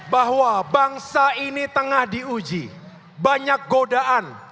bahwa bangsa ini tengah diuji banyak godaan